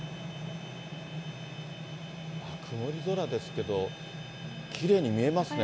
曇り空ですけれども、きれいに見えますね。